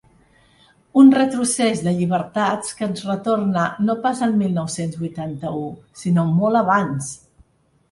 Un retrocés de llibertats que ens retorna no pas al mil nou-cents vuitanta-u, sinó molt abans.